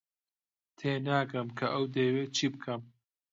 تێناگەم کە ئەو دەیەوێت چی بکەم.